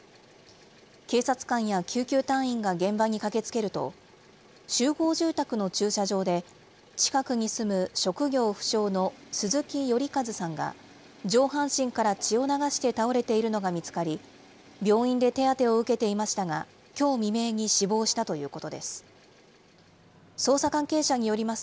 警察官や救急隊員が現場に駆けつけると、集合住宅の駐車場で、近くに住む職業不詳の鈴木頼一さんが上半身から血を流して倒れているのが見つかり、病院で手当てを受けていましたが、きょう未明に死亡したということです。